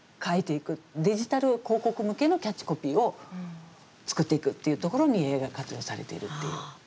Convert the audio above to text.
デジタル広告向けのキャッチコピーを作っていくっていうところにＡＩが活用されているっていう。